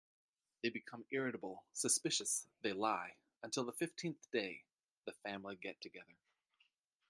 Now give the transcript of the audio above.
They become irritable, suspicious, they lie; until the fifteenth day: the family get-together.